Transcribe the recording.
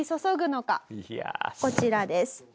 こちらです。